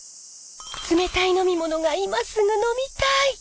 冷たい飲み物が今すぐ飲みたい！